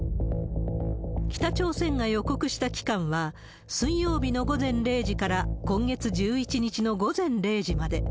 北朝鮮が予告した期間は、水曜日の午前０時から今月１１日の午前０時まで。